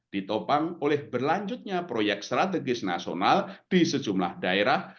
ditopang oleh berlanjutnya proyek strategis nasional di sejumlah daerah